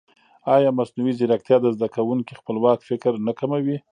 ایا مصنوعي ځیرکتیا د زده کوونکي خپلواک فکر نه کموي؟